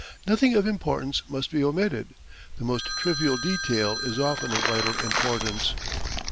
Nothing of importance must be omitted: the most trivial detail is often of vital importance.